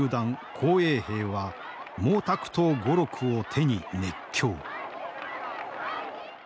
紅衛兵は「毛沢東語録」を手に熱狂。